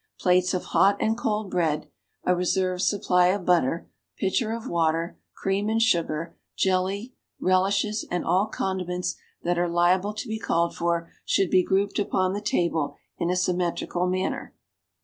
Plates of hot and cold bread, a reserve supply of butter, pitcher of water, cream and sugar, jelly, relishes and all condiments that are liable to be called for, should be grouj^ed upon the table in a symmetrical manner.